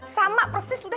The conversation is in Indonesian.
sama persis udah